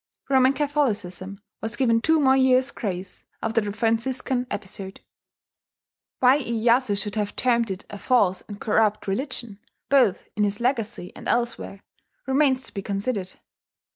Roman Catholicism was given two more years' grace after the Franciscan episode. Why Iyeyasu should have termed it a "false and corrupt religion," both in his Legacy and elsewhere, remains to be considered.